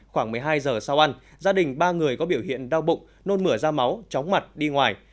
khoảng một mươi hai giờ sau ăn gia đình ba người có biểu hiện đau bụng nôn mửa da máu chóng mặt đi ngoài